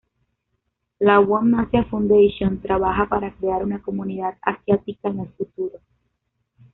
La One Asia Foundation trabaja para crear una Comunidad Asiática en el futuro.